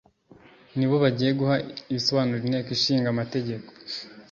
ni bo bagiye guha ibisobanuro Inteko Ishinga Amategeko